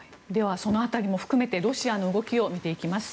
その辺りも含めてロシアの動きを見ていきます。